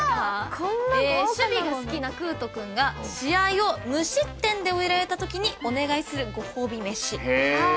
守備が好きな空翔君が試合を無失点で終えられたときにお願いするご褒美めし。